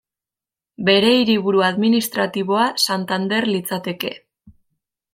Bere hiriburu administratiboa Santander litzateke.